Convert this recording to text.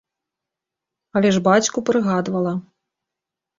Але ж бацьку прыгадвала.